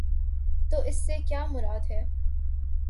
تو اس سے کیا مراد ہے؟